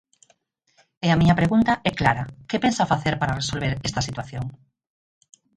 E a miña pregunta é clara: ¿que pensa facer para resolver esta situación?